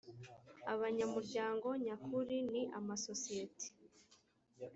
abanyamuryango nyakuri ni amasosiyeti